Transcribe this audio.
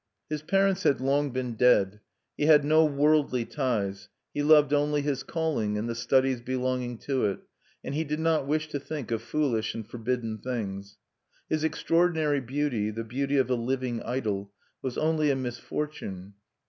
His parents had long been dead; he had no worldly ties: he loved only his calling, and the studies belonging to it; and he did not wish to think of foolish and forbidden things. His extraordinary beauty the beauty of a living idol was only a misfortune.